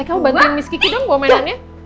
eh kamu bantuin miss kiki dong bawa mainannya